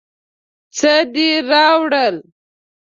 څه دې راوړل.